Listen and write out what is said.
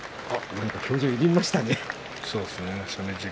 表情が緩みましたね。